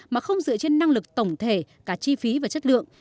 mà không dựa trên năng lực tổng thể cả chi phí và chất lượng